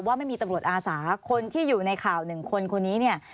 ว่าไม่มีตำรวจอาสาคนที่อยู่ในข่าวหนึ่งคนคนนี้เนี่ย